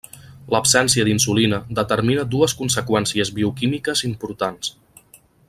L'absència d'insulina determina dues conseqüències bioquímiques importants.